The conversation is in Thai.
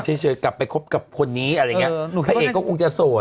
กลับไปคบกับคนนี้อะไรอย่างเงี้ยพระเอกก็คงจะโสด